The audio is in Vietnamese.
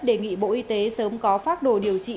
đề nghị bộ y tế sớm có phác đồ điều trị